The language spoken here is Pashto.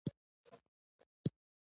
سپین ږیری د کلي د دودونو په اړه معلومات لري